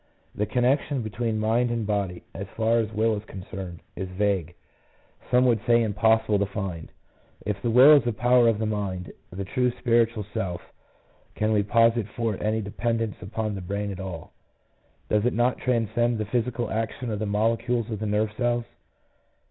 The connection between mind and body, as far as will is concerned, is vague, some would say impossible 104 WILL. 105 to find. If the will is a power of the mind, the true spiritual self, can we posit for it any dependence upon the brain at all ? Does it not transcend the physical action of the molecules of the nerve cells?